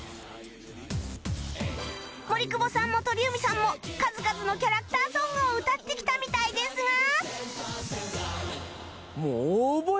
森久保さんも鳥海さんも数々のキャラクターソングを歌ってきたみたいですが